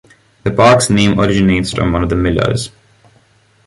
The park's name originates from one of the millers.